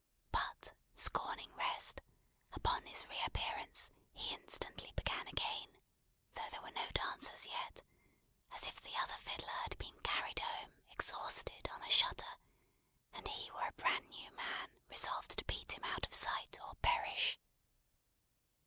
But scorning rest, upon his reappearance, he instantly began again, though there were no dancers yet, as if the other fiddler had been carried home, exhausted, on a shutter, and he were a bran new man resolved to beat him out of sight, or perish.